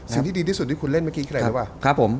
สิ่งที่ดีที่สุดที่คุณเล่นเมื่อกี้คืออะไรรู้ป่ะครับผม